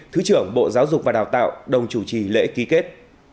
thứ trưởng bộ giáo dục và đào tạo đồng chủ trì lễ ký kết